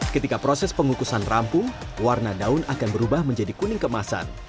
ketika proses pengukusan rampung warna daun akan berubah menjadi kuning kemasan